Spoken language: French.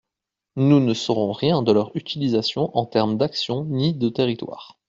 Nous ne saurons rien de leur utilisation en termes d’action ni de territoire.